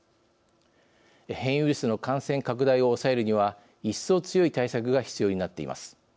変異ウイルスの感染拡大を抑えるには一層強い対策が必要になっています。